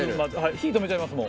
火、止めちゃいます、もう。